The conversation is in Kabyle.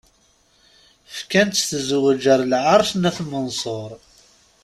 Fkan-tt tezwzǧ ar Lɛerc n At Menṣuṛ.